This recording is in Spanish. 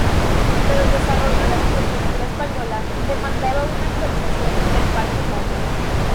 Pero el desarrollo de la infraestructura española demandaba una actualización del parque móvil.